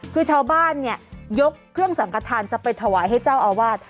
คือชาวบ้านเนี่ยยกเครื่องสังกฐานจะไปถวายให้เจ้าอาวาส